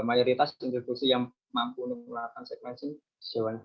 mayoritas institusi yang mampu mengelakkan sekuens ini di jawa